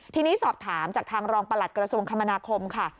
ทีนี้สอบถามจากทางรองประหลัดกระทรวงคมนาคมค่ะ